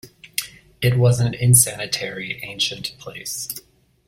It was an insanitary, ancient place.